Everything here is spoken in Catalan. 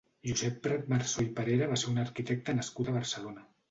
Josep Pratmarsó i Parera va ser un arquitecte nascut a Barcelona.